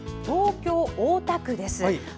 東京・大田区です。